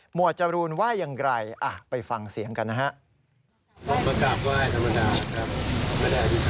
หมวดจรูนว่ายังไงไปฟังเสียงกันนะครับ